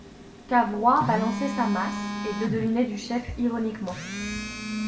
Cavrois balançait sa masse, et dodelinait du chef ironiquement.